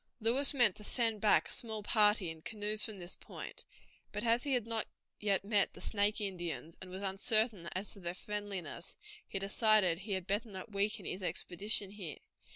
Lewis meant to send back a small party in canoes from this point, but as he had not yet met the Snake Indians, and was uncertain as to their friendliness, he decided he had better not weaken his expedition here.